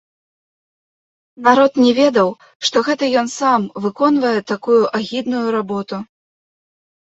Народ не ведаў, што гэта ён сам выконвае такую агідную работу.